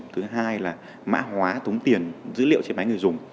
thứ hai là mã hóa tống tiền dữ liệu trên máy người dùng